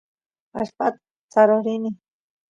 allpata saroq rini